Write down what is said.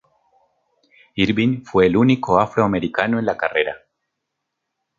Irvin fue el único afroamericano en la carrera.